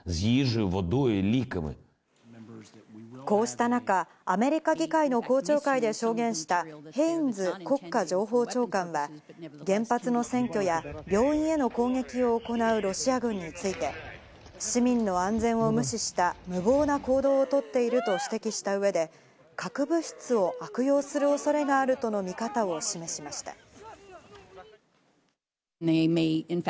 こうした中、アメリカ議会の公聴会で証言したヘインズ国家情報長官は原発の占拠や病院への攻撃を行うロシア軍について、市民の安全を無視した無謀な行動をとっていると指摘した上で、核物質を悪用する恐れがあるとの見方を示しました。